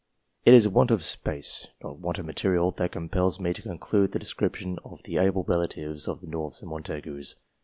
It is want of space, not want of material, that compels me to conclude the description of the able relatives of the Norths and Montagus.